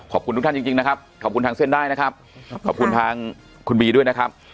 ขอบคุณทุกท่านจริงนะครับขอบคุณทางเส้นได้นะครับขอบคุณทางคุณบีด้วยนะครับ